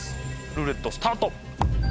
ルーレットスタート。